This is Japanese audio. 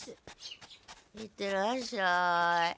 行ってらっしゃい。